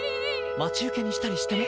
待ち受けにしたりしても？